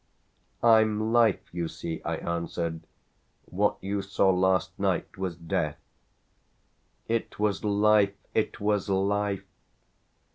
"I'm life, you see," I answered. "What you saw last night was death." "It was life it was life!"